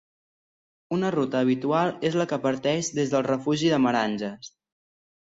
Una ruta habitual és la que parteix des del refugi de Meranges.